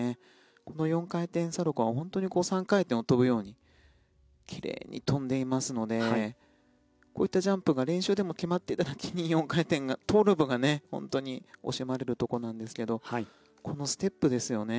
この４回転サルコウは本当に３回転を跳ぶように奇麗に跳んでいますのでこういったジャンプが練習でも決まっていただけに４回転トウループが本当に惜しまれるところなんですがこのステップですよね。